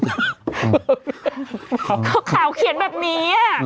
ข่าวคี่จะข่าวเขียนแบบนี้